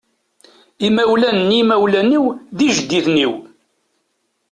Imawlan n imawlan-iw d ijedditen-iw.